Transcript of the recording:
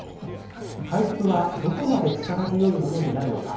回復はどこまで力強いものになるのか。